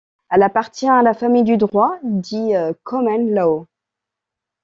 Elle appartient à la famille du droit dit common law.